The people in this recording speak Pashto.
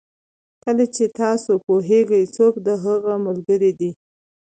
کله چې تاسو پوهېږئ څوک د هغه ملګري دي.